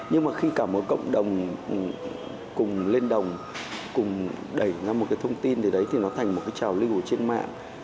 nhưng mà khi cả một cộng đồng cùng lên đồng cùng đẩy ra một cái thông tin gì đấy thì nó thành một cái trào lưu trên mạng